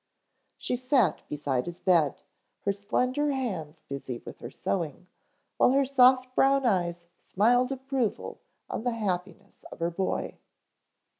She sat beside his bed, her slender hands busy with her sewing, while her soft brown eyes smiled approval on the happiness of her boy.